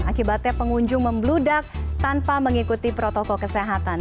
akibatnya pengunjung membludak tanpa mengikuti protokol kesehatan